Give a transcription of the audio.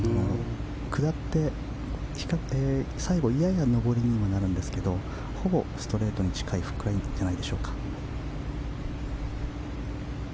下って最後やや上りにはなるんですがほぼストレートに近いフックラインじゃないですか。